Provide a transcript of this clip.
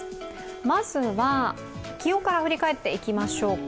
まずは、気温から振り返っていきましょうか。